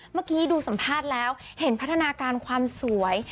เมื่อกี้ดูสัมภาษณ์แล้วเห็นพัฒนาการความสวย